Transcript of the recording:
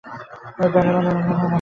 যার গন্ধই হোক না কেন, গন্ধটা বেশ ভালো।